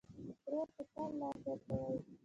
ورور ته تل لاس ورکوې.